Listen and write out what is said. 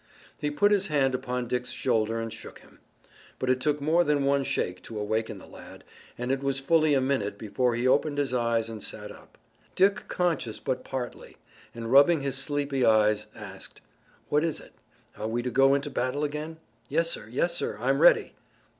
He put his hand upon Dick's shoulder and shook him. But it took more than one shake to awaken the lad, and it was fully a minute before he opened his eyes and sat up. Dick conscious but partly and rubbing his sleepy eyes, asked: "What is it? Are we to go into battle again? Yes, sir! Yes, sir! I'm ready!"